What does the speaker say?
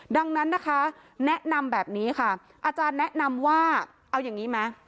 ดังนั้นนะคะแนะนำแบบนี้ค่ะอาจารย์แนะนำว่าเอาอย่างนี้ไหม